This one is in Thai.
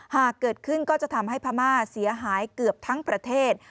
หากเกิดขึ้นก็จะทำให้พม่าเสียหายเกือบทั้งประเทศ